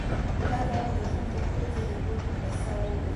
دا د هغه د ژوند په ټولو تجربو کې بې سارې وه.